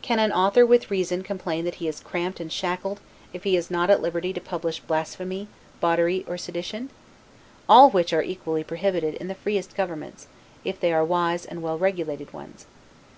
Can an author with reason complain that he is cramped and shackled, if he is not at liberty to publish blasphemy, bawdry, or sedition? all which are equally prohibited in the freest governments, if they are wise and well regulated ones.